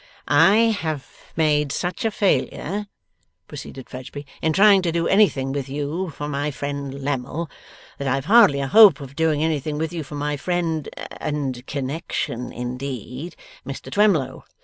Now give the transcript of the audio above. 'I have made such a failure,' proceeded Fledgeby, 'in trying to do anything with you for my friend Lammle, that I've hardly a hope of doing anything with you for my friend (and connexion indeed) Mr Twemlow.